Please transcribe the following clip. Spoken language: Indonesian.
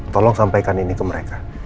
tolong sampaikan ini ke mereka